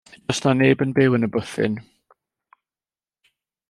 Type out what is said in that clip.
Does 'na neb yn byw yn y bwthyn.